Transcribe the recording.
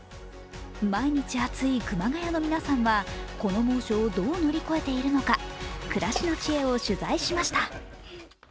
毎日暑い熊谷の皆さんはこの猛暑をどう乗り越えているのか暮らしの知恵を取材しました。